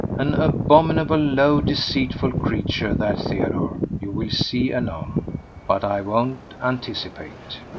An abominably low, deceitful creature, that Theodore, you will see anon. But I won't anticipate.